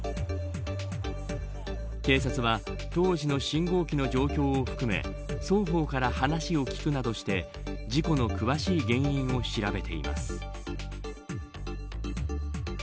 警察は当時の信号機の状況を含め双方から話を聞くなどして事故の詳しい原因を調べています。